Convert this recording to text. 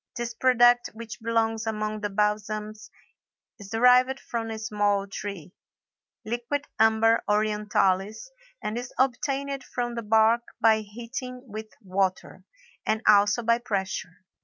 This product which belongs among the balsams is derived from a small tree, Liquidambar orientalis, and is obtained from the bark by heating with water, and also by pressure.